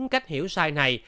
bốn cách hiểu sai này